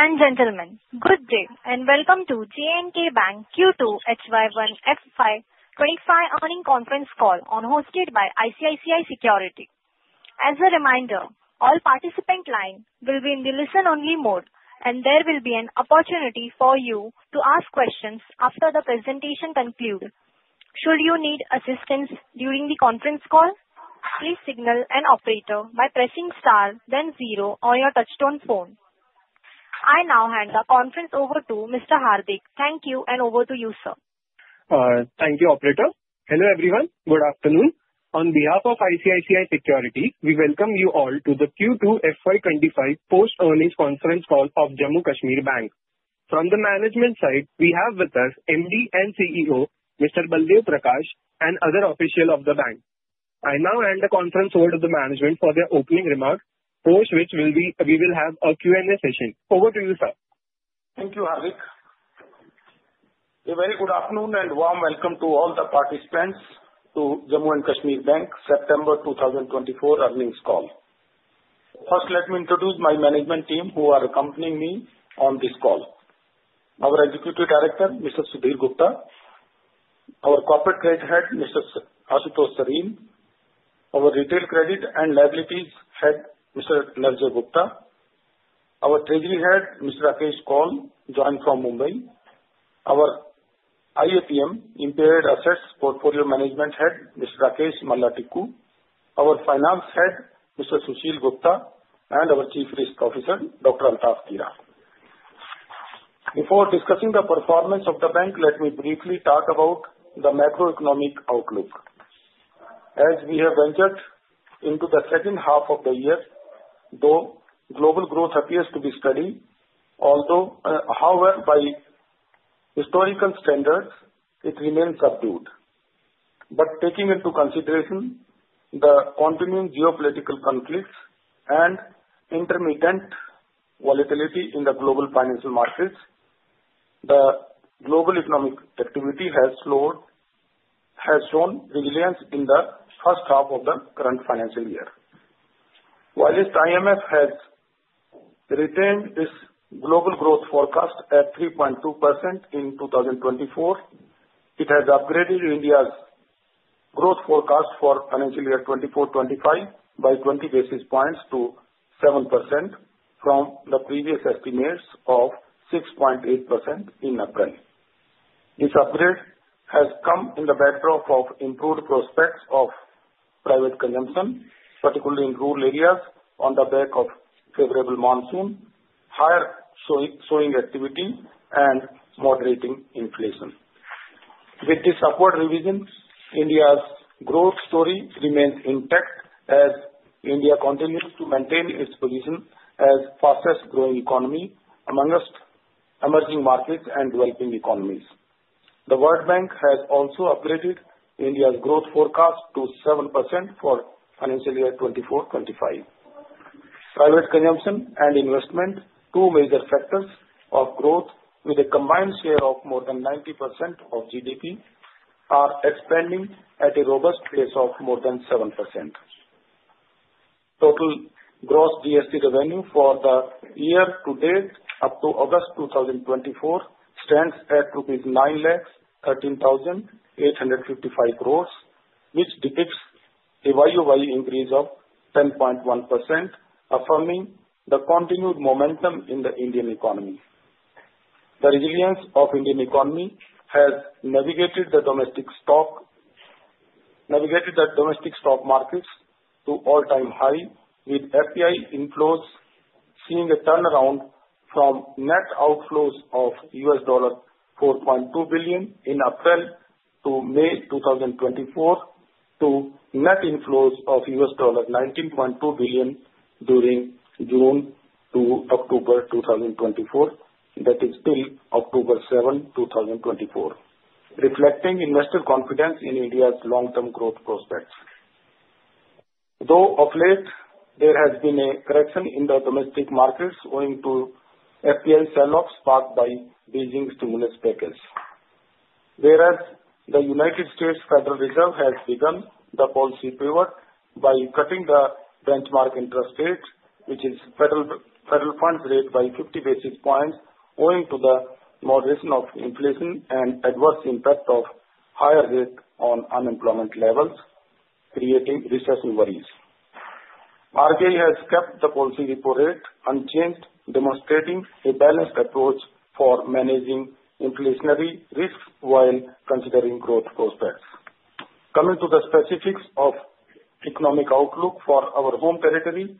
Ladies and gentlemen, good day, and welcome to J&K Bank Q2 FY25 earnings conference call, hosted by ICICI Securities. As a reminder, all participant lines will be in the listen-only mode, and there will be an opportunity for you to ask questions after the presentation concludes. Should you need assistance during the conference call, please signal an operator by pressing star, then zero on your touchtone phone. I now hand the conference over to Mr. Hardik. Thank you, and over to you, sir. Thank you, operator. Hello, everyone. Good afternoon. On behalf of ICICI Securities, we welcome you all to the Q2 FY twenty-five post-earnings conference call of Jammu and Kashmir Bank. From the management side, we have with us MD and CEO, Mr. Baldev Prakash, and other officials of the bank. I now hand the conference over to the management for their opening remarks, post which we will have a Q&A session. Over to you, sir. Thank you, Hardik. A very good afternoon and warm welcome to all the participants to Jammu and Kashmir Bank September two thousand twenty-four earnings call. First, let me introduce my management team, who are accompanying me on this call. Our Executive Director, Mr. Sudhir Gupta, our Corporate Credit Head, Mr. Ashutosh Sareen, our Retail Credit and Liabilities Head, Mr. Narjay Gupta, our Treasury Head, Mr. Mukesh Koul, joined from Mumbai, our IAPM, Impaired Assets Portfolio Management Head, Mr. Rakesh Koul, our Finance Head, Mr. Sushil Gupta, and our Chief Risk Officer, Dr. Altaf Zargar. Before discussing the performance of the bank, let me briefly talk about the macroeconomic outlook. As we have entered into the second half of the year, though global growth appears to be steady, although, however, by historical standards, it remains subdued. But taking into consideration the continuing geopolitical conflicts and intermittent volatility in the global financial markets, the global economic activity has slowed, has shown resilience in the first half of the current financial year. While IMF has retained its global growth forecast at 3.2% in 2024, it has upgraded India's growth forecast for financial year 2024-2025 by 20 basis points to 7% from the previous estimates of 6.8% in April. This upgrade has come in the backdrop of improved prospects of private consumption, particularly in rural areas, on the back of favorable monsoon, higher sowing activity, and moderating inflation. With these upward revisions, India's growth story remains intact as India continues to maintain its position as fastest growing economy among emerging markets and developing economies. The World Bank has also upgraded India's growth forecast to 7% for financial year 2024-2025. Private consumption and investment, two major factors of growth with a combined share of more than 90% of GDP, are expanding at a robust pace of more than 7%. Total gross GST revenue for the year to date up to August 2024 stands at rupees 9,13,855 crore, which depicts a YoY increase of 10.1%, affirming the continued momentum in the Indian economy. The resilience of Indian economy has navigated the domestic stock markets to all-time high, with FPI inflows seeing a turnaround from net outflows of $4.2 billion in April to May 2024, to net inflows of $19.2 billion during June to October 2024, that is till October 7, 2024, reflecting investor confidence in India's long-term growth prospects. Though of late, there has been a correction in the domestic markets owing to FPI sell-offs sparked by Beijing's stimulus package. Whereas the United States Federal Reserve has begun the policy pivot by cutting the benchmark interest rate, which is the federal funds rate by 50 basis points, owing to the moderation of inflation and adverse impact of higher rate on unemployment levels, creating recession worries. RBI has kept the policy repo rate unchanged, demonstrating a balanced approach for managing inflationary risk while considering growth prospects. Coming to the specifics of economic outlook for our home territory,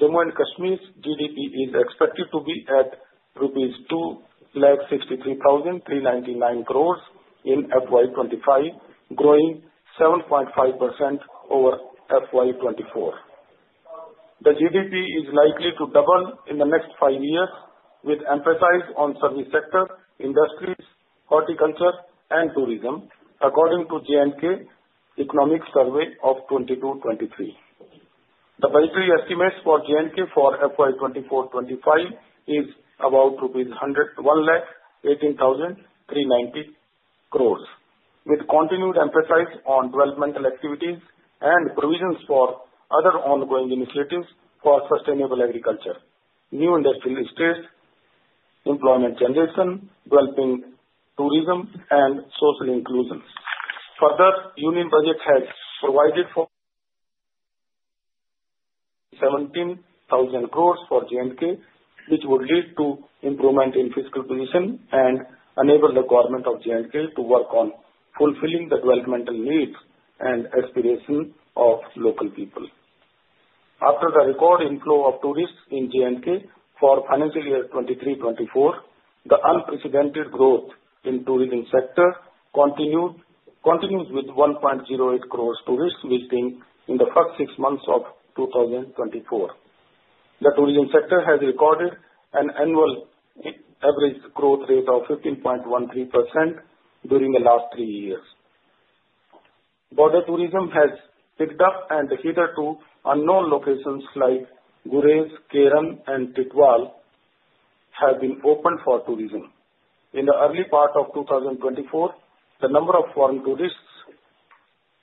Jammu and Kashmir's GDP is expected to be at rupees 263, 399 crore in FY 2025, growing 7.5% over FY 2024. The GDP is likely to double in the next five years with emphasis on service sector, industries, horticulture, and tourism, according to J&K Economic Survey of 2022, 2023. The budget estimates for J&K for FY 2024, 2025 is about INR 118, 390 crore with continued emphasis on developmental activities and provisions for other ongoing initiatives for sustainable agriculture, new industrial estates, employment generation, developing tourism, and social inclusions. Further, Union Budget has provided for 17,000 crore for J&K, which would lead to improvement in fiscal position and enable the Government of J&K to work on fulfilling the developmental needs and aspirations of local people. After the record inflow of tourists in J&K for financial year 2023-2024, the unprecedented growth in tourism sector continued, continues with 1.08 crore tourists visiting in the first six months of 2024. The tourism sector has recorded an annual average growth rate of 15.13% during the last three years. Border tourism has picked up and hitherto unknown locations like Gurez, Keran and Tithwal have been opened for tourism. In the early part of 2024, the number of foreign tourists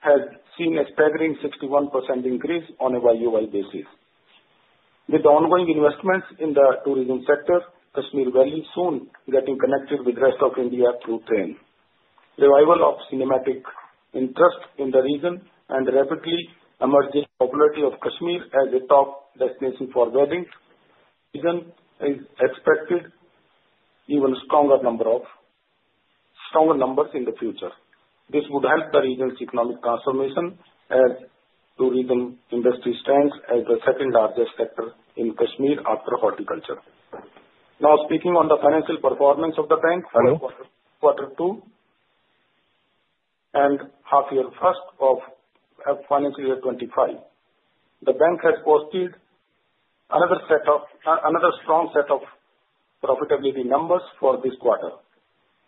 has seen a staggering 61% increase on a YoY basis. With the ongoing investments in the tourism sector, Kashmir Valley soon getting connected with Rest of India through train, revival of cinematic interest in the region, and the rapidly emerging popularity of Kashmir as a top destination for weddings, season is expected even stronger numbers in the future. This would help the region's economic transformation and tourism industry stands as the second largest sector in Kashmir after horticulture. Now, speaking on the financial performance of the bank. Quarter 2 and first half of financial year twenty-five. The bank has posted another set of another strong set of profitability numbers for this quarter,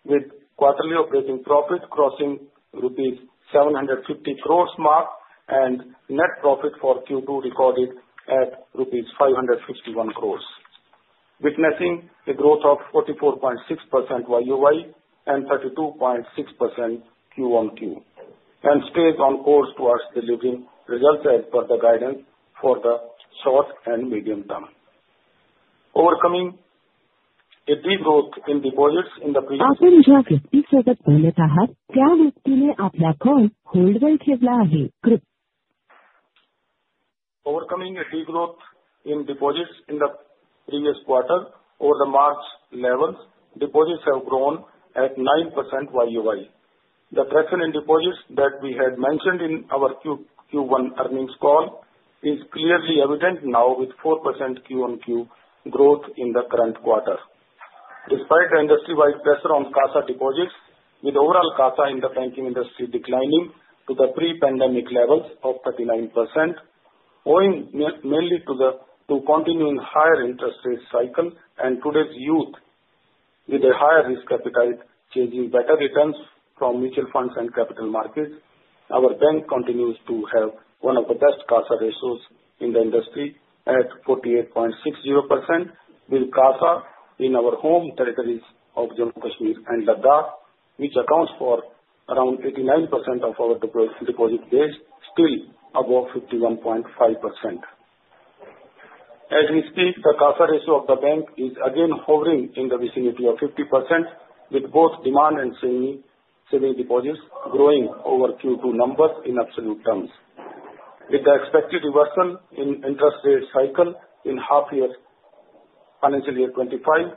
with quarterly operating profit crossing the rupees 750 crore mark, and net profit for Q2 recorded at rupees 551 crore, witnessing a growth of 44.6% YoY and 32.6% QoQ, and stays on course towards delivering results as per the guidance for the short and medium term. Overcoming a degrowth in deposits in the previous quarter over the March levels, deposits have grown at 9% YoY. The pressure in deposits that we had mentioned in our Q1 earnings call is clearly evident now, with 4% QoQ growth in the current quarter. Despite the industry-wide pressure on CASA deposits, with overall CASA in the banking industry declining to the pre-pandemic levels of 39%, owing mainly to the continuing higher interest rate cycle and today's youth with a higher risk appetite, chasing better returns from mutual funds and capital markets, our bank continues to have one of the best CASA ratios in the industry at 48.60%, with CASA in our home territories of Jammu and Kashmir and Ladakh, which accounts for around 89% of our deposit base, still above 51.5%. As we speak, the CASA ratio of the bank is again hovering in the vicinity of 50%, with both demand and saving deposits growing over Q2 numbers in absolute terms. With the expected reversal in interest rate cycle in half year, financial year 2025,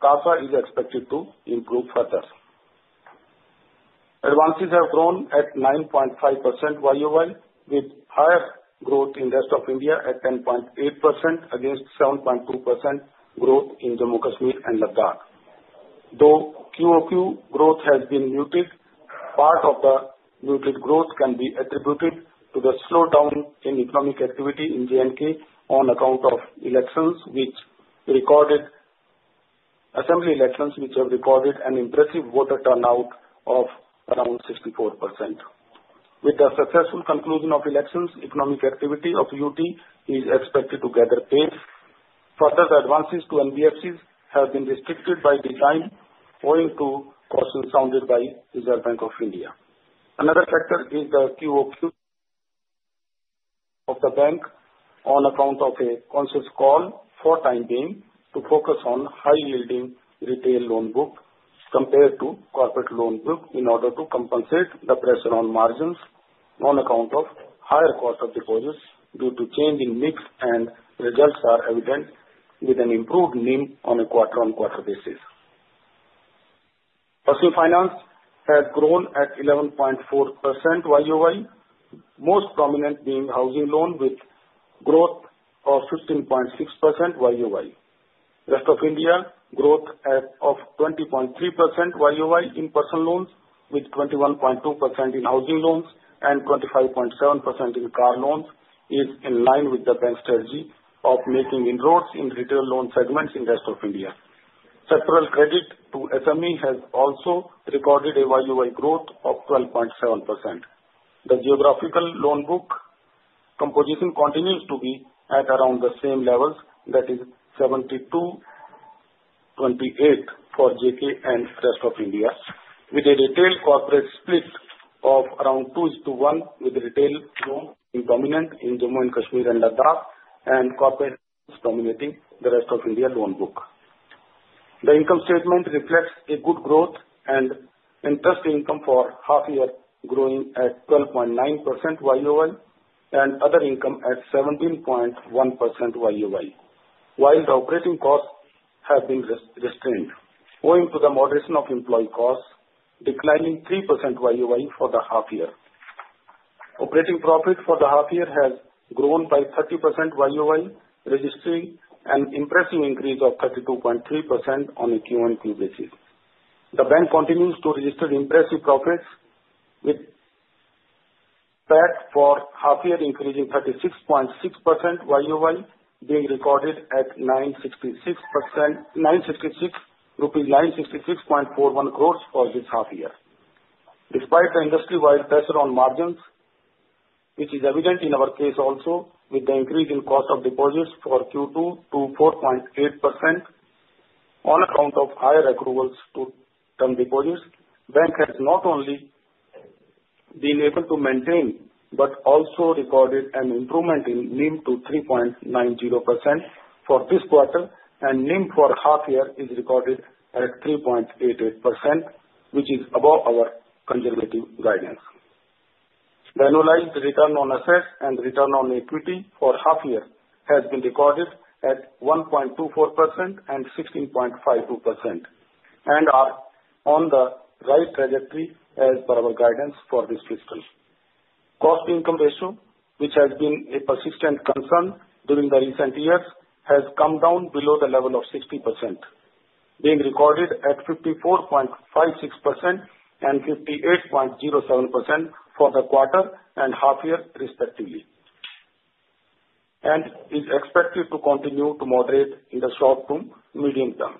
CASA is expected to improve further. Advances have grown at 9.5% YoY, with higher growth in the Rest of India at 10.8% against 7.2% growth in Jammu, Kashmir and Ladakh. Though QoQ growth has been muted, part of the muted growth can be attributed to the slowdown in economic activity in J&K on account of assembly elections, which have recorded an impressive voter turnout of around 64%. With the successful conclusion of elections, economic activity of UT is expected to gather pace. Further advances to NBFCs have been restricted by design, owing to caution sounded by Reserve Bank of India. Another factor is the QoQ of the bank on account of a conscious call for the time being, to focus on high-yielding retail loan book compared to corporate loan book, in order to compensate the pressure on margins on account of higher cost of deposits due to changing mix, and results are evident with an improved NIM on a quarter on quarter basis. Personal finance has grown at 11.4% YoY, most prominent being housing loan with growth of 16.6% YoY. Rest of India growth of 20.3% YoY in personal loans with 21.2% in housing loans and 25.7% in car loans, is in line with the bank's strategy of making inroads in retail loan segments in the Rest of India. Sectoral credit to SME has also recorded a YoY growth of 12.7%. The geographical loan book composition continues to be at around the same levels, that is 72-28 for JK and Rest of India, with a retail corporate split of around two to one, with retail loans dominant in Jammu and Kashmir and Ladakh, and corporate dominating the Rest of India loan book. The income statement reflects a good growth and interest income for half year, growing at 12.9% YoY, and other income at 17.1% YoY, while the operating costs have been restrained, owing to the moderation of employee costs, declining 3% YoY for the half year. Operating profit for the half year has grown by 30% YoY, registering an impressive increase of 32.3% on a QoQ basis. The bank continues to register impressive profits, with PAT for half year increasing 36.6% YoY, being recorded at 966.41 crore rupees for this half year. Despite the industry-wide pressure on margins, which is evident in our case also, with the increase in cost of deposits for Q2 to 4.8% on account of higher accruals to term deposits, bank has not only been able to maintain, but also recorded an improvement in NIM to 3.90% for this quarter, and NIM for half year is recorded at 3.88%, which is above our conservative guidance. The annualized return on assets and return on equity for half year has been recorded at 1.24% and 16.52%, and are on the right trajectory as per our guidance for this fiscal. Cost income ratio, which has been a persistent concern during the recent years, has come down below the level of 60%, being recorded at 54.56% and 58.07% for the quarter and half year respectively, and is expected to continue to moderate in the short to medium term.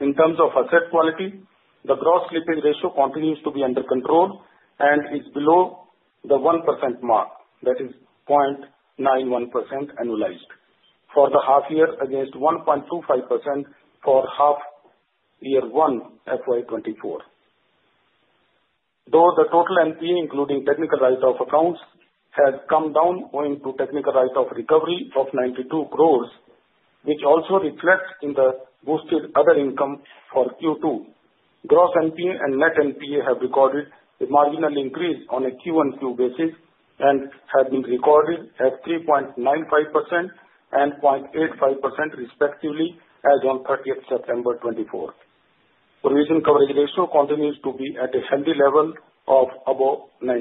In terms of asset quality, the gross slippage ratio continues to be under control and is below the 1% mark. That is 0.91% annualized for the half year, against 1.25% for half year one, FY 2024. Though the total NPA, including technical write-off accounts, has come down owing to technical write-off recovery of 92 crore, which also reflects in the boosted other income for Q2. Gross NPA and net NPA have recorded a marginal increase on a QoQ basis, and have been recorded at 3.95% and 0.85% respectively as on thirtieth September 2024. Provision coverage ratio continues to be at a healthy level of above 90%.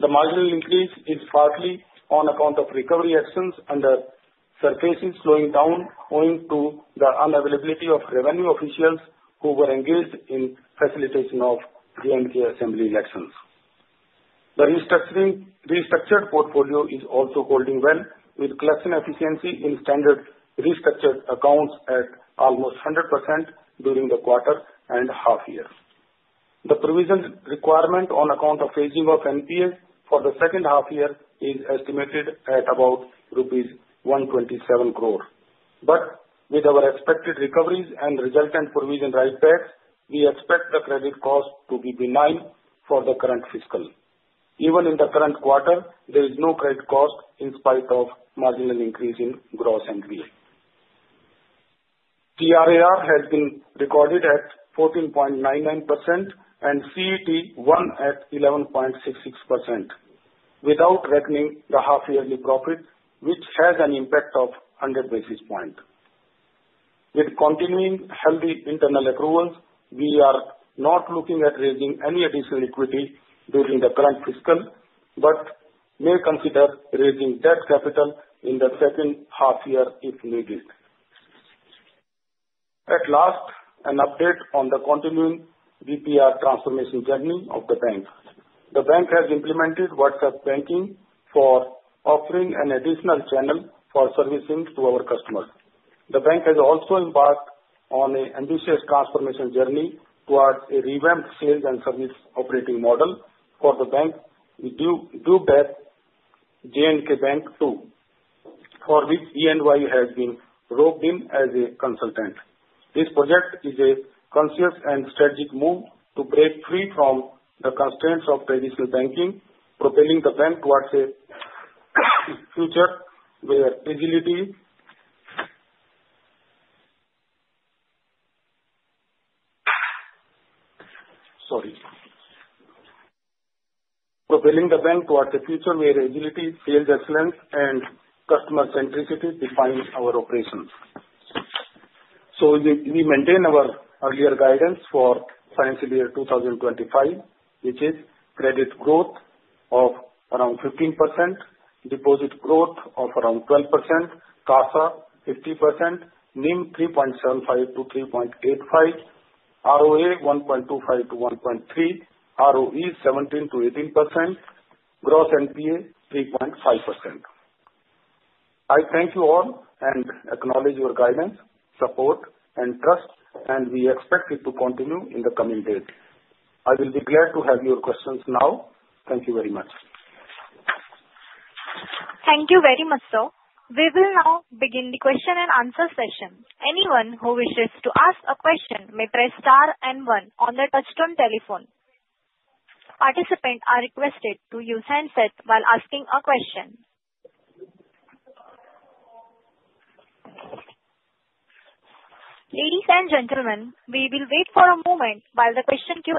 The marginal increase is partly on account of recovery actions and the SARFAESI slowing down, owing to the unavailability of revenue officials who were engaged in facilitation of the J&K assembly elections. The restructuring, restructured portfolio is also holding well, with collection efficiency in standard restructured accounts at almost 100% during the quarter and half year. The provisions requirement on account of aging of NPAs for the second half-year is estimated at about rupees 127 crore. But with our expected recoveries and resultant provision write-backs, we expect the credit cost to be benign for the current fiscal. Even in the current quarter, there is no credit cost in spite of marginal increase in gross NPA. CRAR has been recorded at 14.99% and CET1 at 11.66%, without reckoning the half-yearly profit, which has an impact of 100 basis points. With continuing healthy internal approvals, we are not looking at raising any additional equity during the current fiscal, but may consider raising that capital in the second half-year if needed. At last, an update on the continuing BPR transformation journey of the bank. The bank has implemented WhatsApp Banking for offering an additional channel for servicing to our customers. The bank has also embarked on an ambitious transformation journey towards a revamped sales and service operating model for the bank, dubbed J&K Bank 2.0, for which E&Y has been roped in as a consultant. This project is a conscious and strategic move to break free from the constraints of traditional banking, propelling the bank towards a future where agility, sales excellence, and customer centricity defines our operations. So we maintain our earlier guidance for financial year 2025, which is credit growth of around 15%, deposit growth of around 12%, CASA 50%, NIM 3.75%-3.85%, ROA 1.25%-1.3%, ROE 17%-18%, gross NPA 3.5%. I thank you all and acknowledge your guidance, support, and trust, and we expect it to continue in the coming days. I will be glad to have your questions now. Thank you very much. Thank you very much, sir. We will now begin the question and answer session. Anyone who wishes to ask a question may press star and one on their touchtone telephone. Participants are requested to use handsets while asking a question. Ladies and gentlemen, we will wait for a moment while the question queue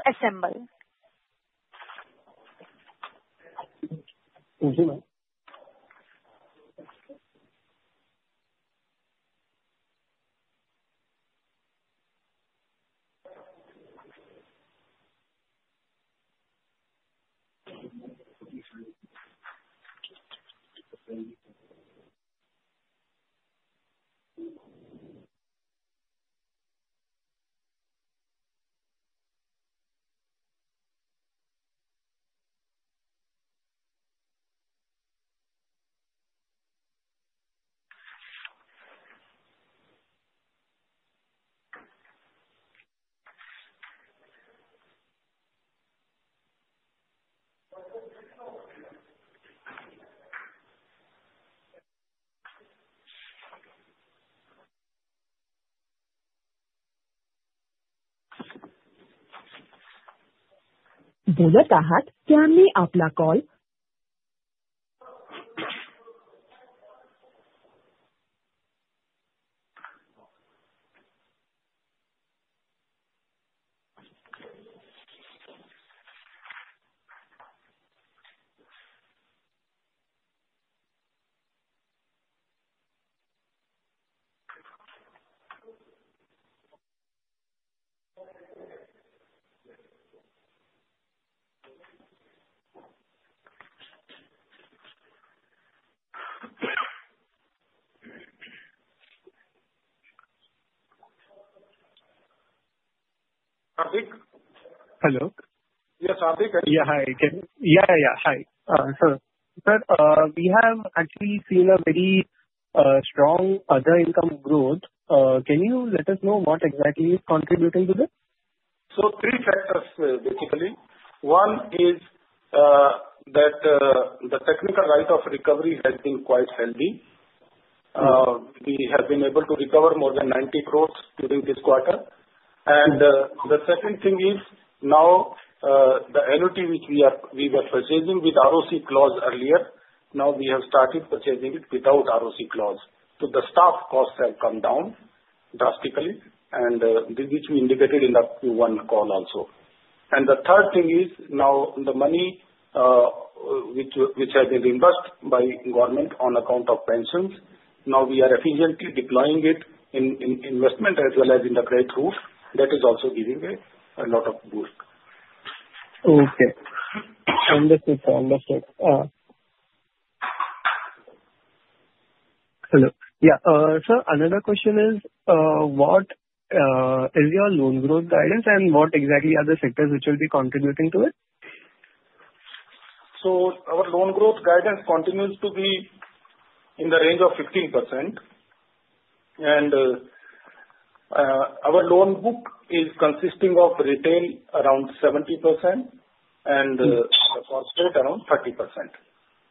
assembles. Thank you, ma'am. Hello? Yes, Hardik. Hi, sir. We have actually seen a very strong other income growth. Can you let us know what exactly is contributing to this? So three factors, basically. One is that the technical write-off recovery has been quite healthy. We have been able to recover more than 90 crore during this quarter. And the second thing is now the annuity which we were purchasing with ROC clause earlier, now we have started purchasing it without ROC clause. So the staff costs have come down drastically, and which we indicated in the Q1 call also. And the third thing is, now the money which has been reimbursed by government on account of pensions, now we are efficiently deploying it in investment as well as in the credit route. That is also giving a lot of boost. Okay. Understood, sir. Understood. Hello? Yeah, sir, another question is, what is your loan growth guidance, and what exactly are the sectors which will be contributing to it? So our loan growth guidance continues to be in the range of 15%, and our loan book is consisting of retail around 70% and Corporate around 30%.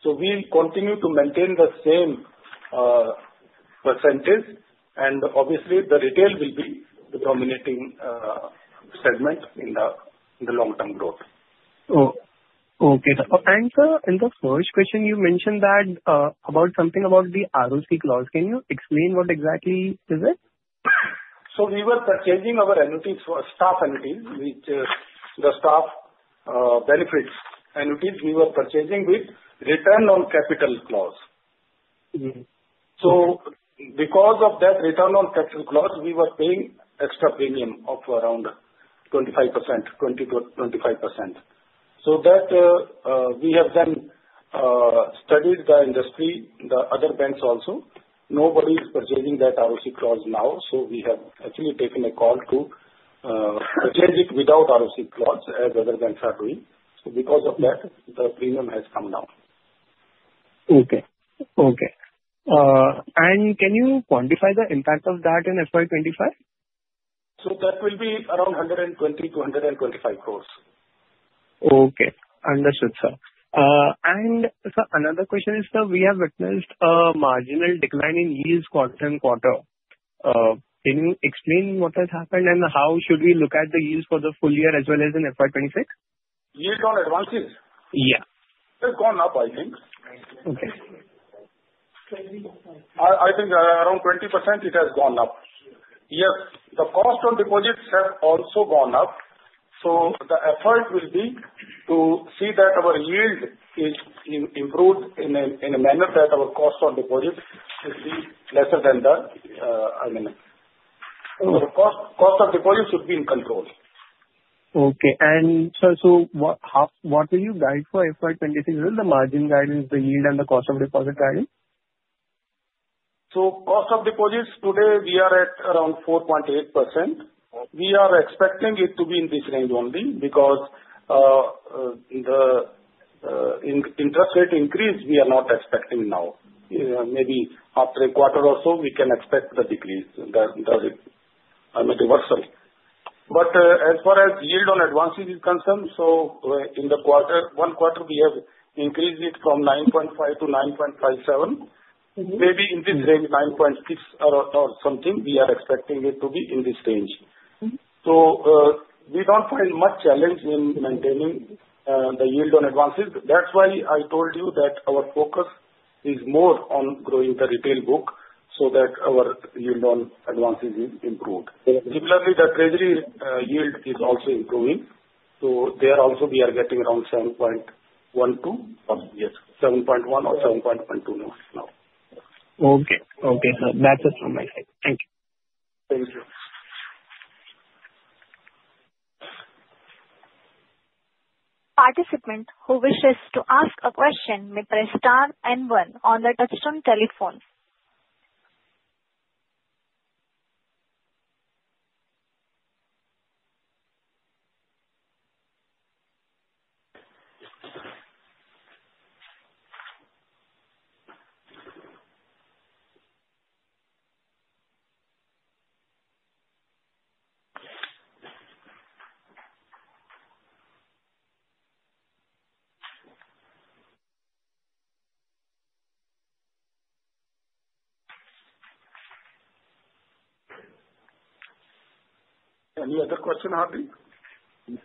So we continue to maintain the same percentage, and obviously the retail will be the dominating segment in the long-term growth. Oh, okay, sir. And sir, in the first question, you mentioned that, about something about the ROC clause. Can you explain what exactly is it? So we were purchasing our annuities for staff annuity, which the staff benefits annuities we were purchasing with Return on Capital clause. Mm-hmm. So because of that return on capital clause, we were paying extra premium of around 25%, 20%-25%. So that, we have then studied the industry, the other banks also. Nobody is purchasing that ROC clause now, so we have actually taken a call to purchase it without ROC clause, as other banks are doing. So because of that, the premium has come down. Okay. Okay, and can you quantify the impact of that in FY 2025? So that will be around 120 crore-125 crore. Okay. Understood, sir, and sir, another question is, sir, we have witnessed a marginal decline in yields quarter on quarter. Can you explain what has happened and how should we look at the yields for the full year as well as in FY 2026? Yield on advances? Yeah. It's gone up, I think. Okay. I think around 20% it has gone up. Yes, the cost on deposits has also gone up, so the effort will be to see that our yield is improved in a manner that our cost on deposits is less than the, I mean- Mm-hmm. The cost of deposits should be in control. Okay. Sir, so what will you guide for FY 2023, will the margin guidance, the yield and the cost of deposit guidance? So cost of deposits today, we are at around 4.8%. We are expecting it to be in this range only because the interest rate increase, we are not expecting now. Maybe after a quarter or so, we can expect the decrease, the reversal. But as far as yield on advances is concerned, so in the quarter, one quarter we have increased it from 9.5%-9.57%. Mm-hmm. Maybe in this range, 9.6 or, or something, we are expecting it to be in this range. Mm-hmm. We don't find much challenge in maintaining the yield on advances. That's why I told you that our focus is more on growing the retail book so that our yield on advances is improved. Similarly, the treasury yield is also improving, so there also we are getting around 7.12% now. Okay. Okay, sir. That's it from my side. Thank you. Thank you. Participant who wishes to ask a question may press star and one on their touch-tone telephone. Any other question, Hardik? We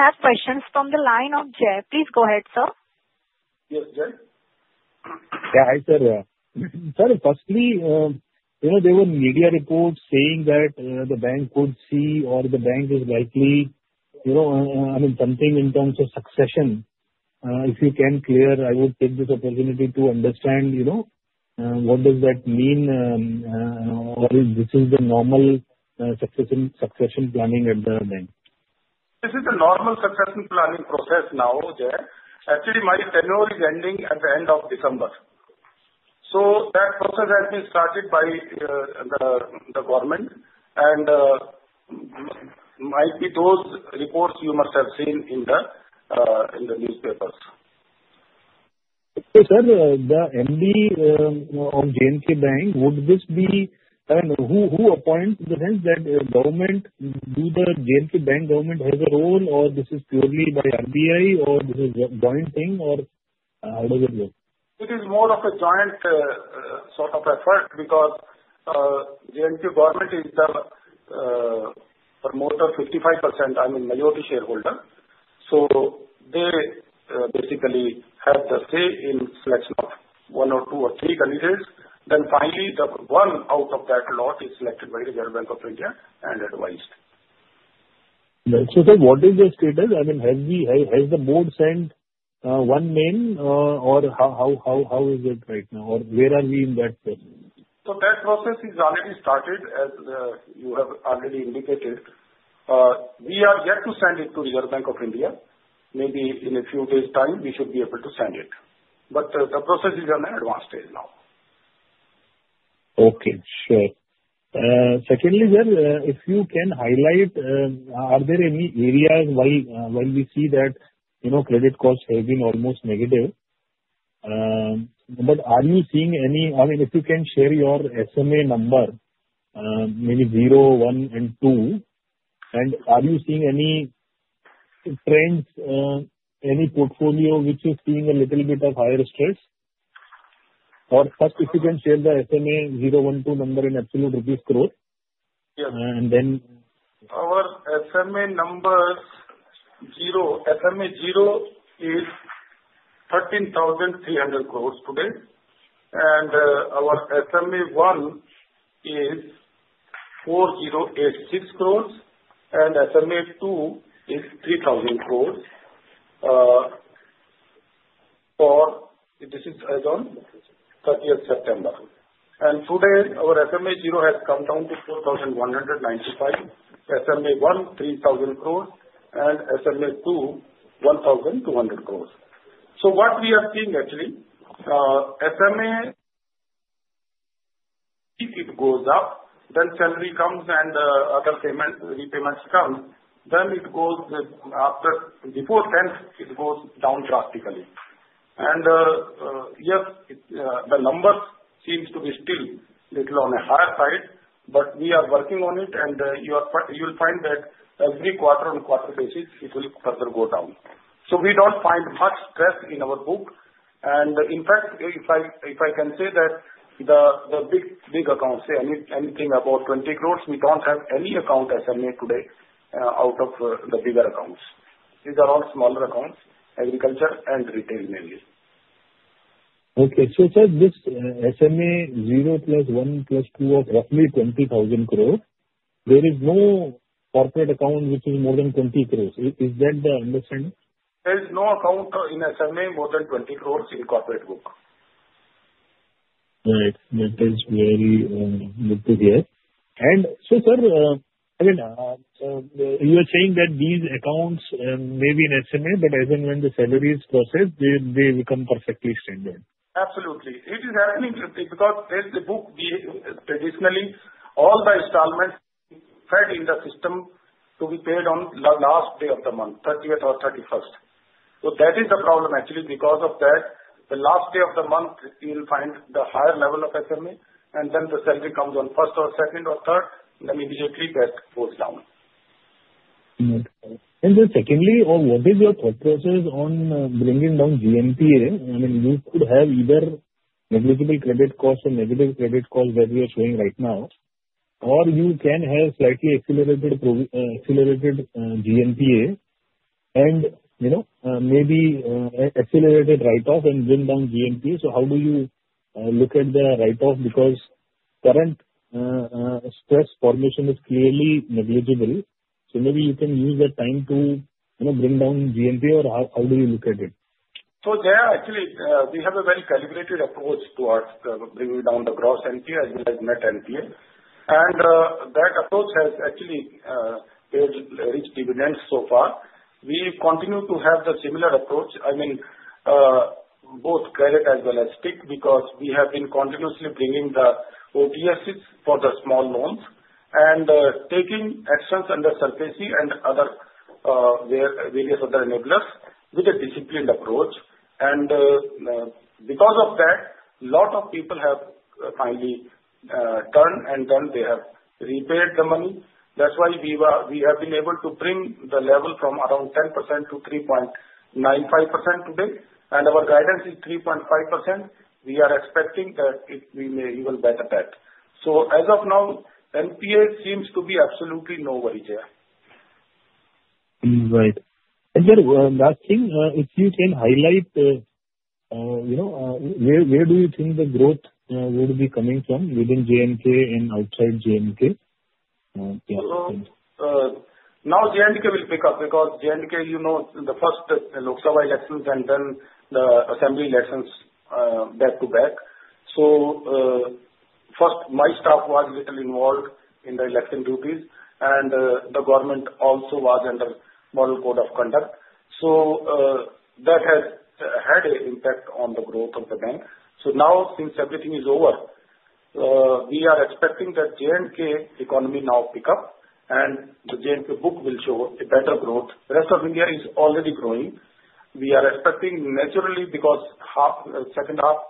have questions from the line of Jai. Please go ahead, sir. Yes, Jai? Yeah, hi, sir. Sir, firstly, you know, there were media reports saying that the bank could see or the bank is likely, you know, I mean, something in terms of succession. If you can clear, I would take this opportunity to understand, you know, what does that mean, or this is the normal succession planning at the bank? This is a normal succession planning process now, Jai. Actually, my tenure is ending at the end of December. So that process has been started by the government, and might be those reports you must have seen in the newspapers. Sir, the MD of J&K Bank, would this be... And who appoints the bank? That government, do the J&K Bank government has a role, or this is purely by RBI, or this is a joint thing, or how does it look? It is more of a joint, sort of effort, because the J&K government is the promoter 55%, I mean, majority shareholder. So they basically have the say in selection of one or two or three candidates. Then finally, the one out of that lot is selected by the Reserve Bank of India and advised. So sir, what is the status? I mean, has the board sent one name, or how is it right now, or where are we in that process? So that process is already started, as you have already indicated. We are yet to send it to Reserve Bank of India. Maybe in a few days' time, we should be able to send it, but the process is on an advanced stage now. Okay, sure. Secondly, sir, if you can highlight, are there any areas while we see that, you know, credit costs have been almost negative, but are you seeing any... I mean, if you can share your SMA number, maybe 0, 1, and 2, and are you seeing any trends, any portfolio which is seeing a little bit of higher stress? Or first, if you can share the SMA 0, 1, 2 number in absolute rupees crore. Yes. And then- Our SMA numbers, zero, SMA-0 is 13,300 crore today, and our SMA-1 is 4,086 crore, and SMA-2 is 3,000 crore, for this is as on thirtieth September. And today, our SMA-0 has come down to 4,195, SMA-1, 3,000 crore, and SMA-2, 1,200 crore. So what we are seeing actually, SMA, if it goes up, then salary comes and other payment, repayments come. Then it goes up, after the fourth month, it goes down drastically. And, yes, the numbers seems to be still little on a higher side, but we are working on it, and you'll find that every quarter on quarter basis, it will further go down. We don't find much stress in our book, and in fact, if I can say that the big accounts, say anything about 20 crore, we don't have any account SMA today out of the bigger accounts. These are all smaller accounts, agriculture and retail, mainly. Okay. So, sir, this SMA-0 plus 1 plus 2 of roughly 20,000 crore, there is no corporate account which is more than 20 crore. Is that the understanding? There is no account in SMA more than 20 crore in the corporate book. Right. That is very good to hear. And so, sir, I mean, you were saying that these accounts may be in SMA, but even when the salaries process, they become perfectly standard. Absolutely. It is very interesting because the book, traditionally, all the installments fed in the system to be paid on the last day of the month, thirtieth or thirty-first. So that is the problem actually, because of that, the last day of the month, you'll find the higher level of SMA, and then the salary comes on first or second or third, then immediately that goes down. And then secondly, what is your thought process on bringing down GNPA? I mean, you could have either negligible credit costs or negative credit costs that you are showing right now, or you can have slightly accelerated pro, accelerated GNPA, and, you know, maybe, a accelerated write-off and bring down GNPA. So how do you look at the write-off? Because current stress formation is clearly negligible, so maybe you can use that time to, you know, bring down GNPA, or how do you look at it? Actually, we have a very calibrated approach towards bringing down the gross NPA as well as net NPA. That approach has actually paid rich dividends so far. We continue to have the similar approach, I mean, both credit as well as risk, because we have been continuously bringing the overdues for the small loans and taking actions under SARFAESI and other, where various other enablers, with a disciplined approach. Because of that, lot of people have finally turned, and then they have repaid the money. That's why we have been able to bring the level from around 10%-3.95% today, and our guidance is 3.5%. We are expecting that we may even beat that. As of now, NPA seems to be absolutely no worry there. Right. And then, last thing, if you can highlight, you know, where do you think the growth would be coming from within J&K and outside J&K? Yeah. So, now J&K will pick up because J&K, you know, the first Lok Sabha elections and then the assembly elections back-to-back. First, my staff was little involved in the election duties, and the government also was under model code of conduct. That has had an impact on the growth of the bank. Now, since everything is over, we are expecting that J&K economy now pick up, and the J&K book will show a better growth. Rest of India is already growing. We are expecting naturally, because half second half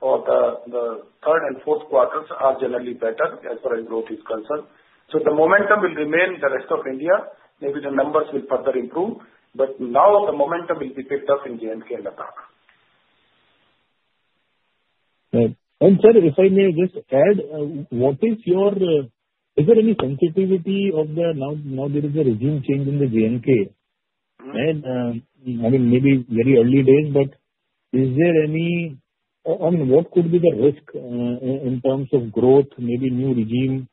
or the third and fourth quarters are generally better as far as growth is concerned. The momentum will remain in the Rest of India, maybe the numbers will further improve, but now the momentum will be picked up in J&K and Ladakh. Right. And sir, if I may just add, what is your... Is there any sensitivity of the, now there is a regime change in the J&K? I mean, maybe very early days, but is there any, I mean, what could be the risk in terms of growth, maybe new regime,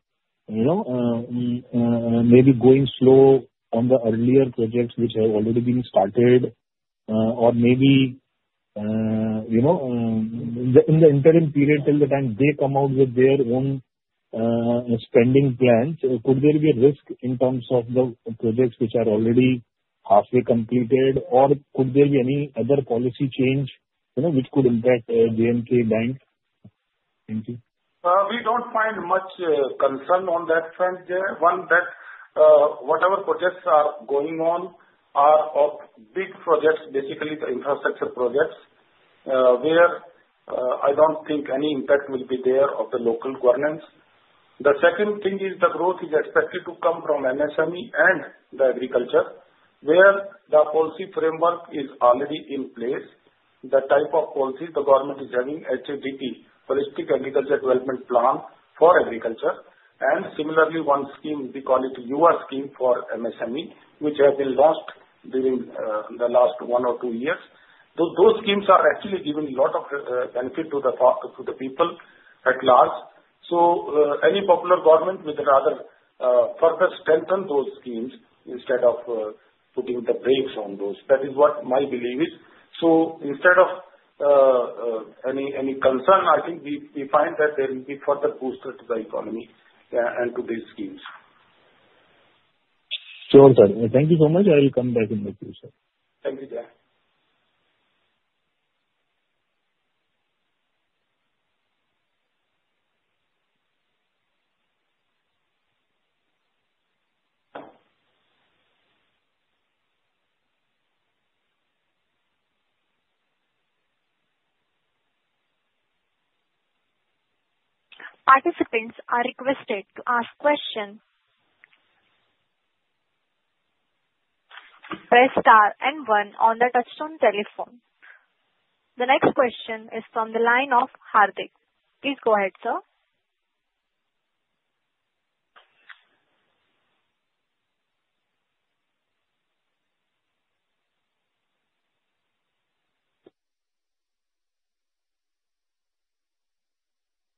you know, maybe going slow on the earlier projects which have already been started, or maybe, you know, in the, in the interim period till the time they come out with their own spending plans, could there be a risk in terms of the projects which are already halfway completed, or could there be any other policy change, you know, which could impact J&K Bank? Thank you. We don't find much concern on that front there. One, that whatever projects are going on are of big projects, basically the infrastructure projects, where I don't think any impact will be there of the local governance. The second thing is the growth is expected to come from MSME and the agriculture, where the policy framework is already in place. The type of policy the government is having, HADP, Holistic Agriculture Development Plan for agriculture. And similarly, one scheme, we call it Yuva scheme for MSME, which has been launched during the last one or two years. So those schemes are actually giving a lot of benefit to the people at large. So any popular government would rather further strengthen those schemes instead of putting the brakes on those. That is what my belief is. So instead of any concern, I think we find that there will be further booster to the economy, and to these schemes. Sure, sir. Thank you so much. I will come back in the future. Thank you, Jai. Participants are requested to ask question. Press star and one on the touch-tone telephone. The next question is from the line of Hardik. Please go ahead, sir.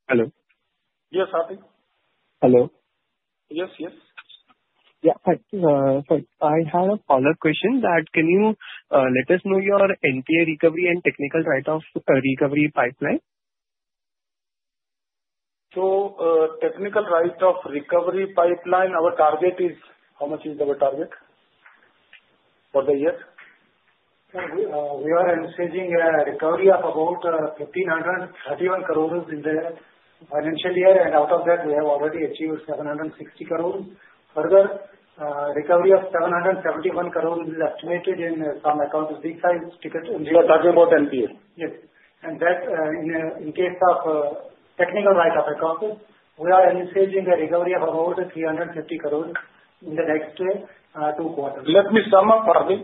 Hello? Yes, Hardik. Hello. Yes, yes. Yeah, but I have a follow-up question. Can you let us know your NPA recovery and technical write-off recovery pipeline? Technical write-off recovery pipeline, our target is... How much is our target for the year? We are anticipating a recovery of about 1,531 crore in the financial year, and out of that, we have already achieved 760 crore. Further, recovery of 721 crore will be activated in some accounts, big five tickets. You are talking about NPA? Yes. And that, in case of technical write-off accounts, we are anticipating a recovery of about 350 crore in the next year, two quarters. Let me sum up for this.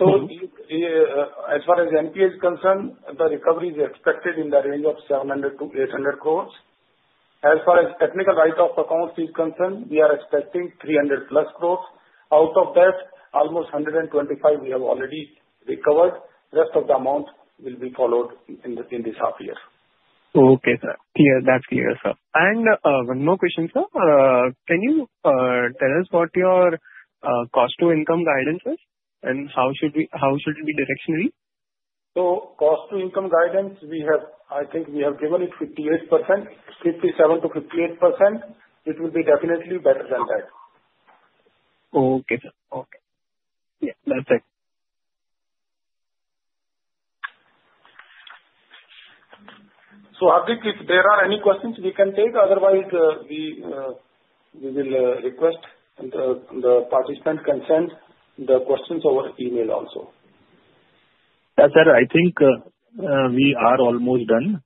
Mm-hmm. As far as NPA is concerned, the recovery is expected in the range of 700 crore- 800 crore. As far as technical write-off account is concerned, we are expecting 300 plus crore. Out of that, almost 125 we have already recovered. Rest of the amount will be followed in this half year. Okay, sir. Clear. That's clear, sir. And, one more question, sir. Can you tell us what your cost to income guidance is, and how should we, how should it be directionally? Cost to income guidance, I think we have given it 58%, 57%-58%. It will be definitely better than that. Okay, sir. Okay. Yeah, that's it. So Hardik, if there are any questions, we can take. Otherwise, we will request the participant can send the questions over email also. Yeah, sir, I think we are almost done.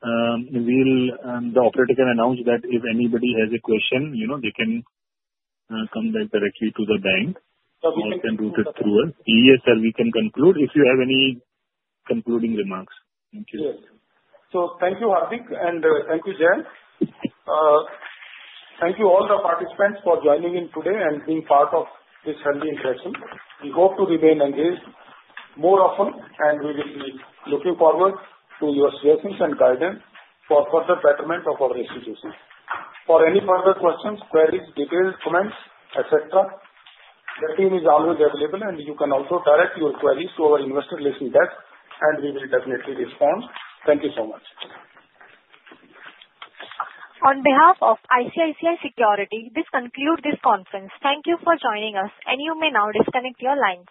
We'll, the operator can announce that if anybody has a question, you know, they can come back directly to the bank, or can route it through us. Yes, sir, we can conclude if you have any concluding remarks. Thank you. Yes. So thank you, Hardik, and, thank you, Jai. Thank you all the participants for joining in today and being part of this earnings session. We hope to remain engaged more often, and we will be looking forward to your suggestions and guidance for further betterment of our institution. For any further questions, queries, details, comments, et cetera, the team is always available, and you can also direct your queries to our investor relations desk, and we will definitely respond. Thank you so much. On behalf of ICICI Securities, this concludes this conference. Thank you for joining us, and you may now disconnect your lines.